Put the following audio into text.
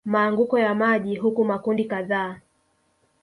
maanguko ya maji huku makundi kadhaa